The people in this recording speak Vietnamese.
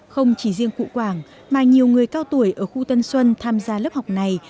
không chỉ riêng cụ quảng mà nhiều người cao tuổi ở khu tân xuân tham gia lớp học này